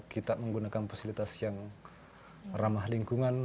kita menggunakan fasilitas yang ramah lingkungan